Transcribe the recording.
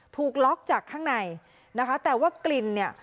ถูกล็อกจากข้างในนะคะแต่ว่ากลิ่นเนี่ย